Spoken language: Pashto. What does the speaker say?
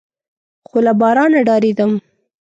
خو له بارانه ډارېدم.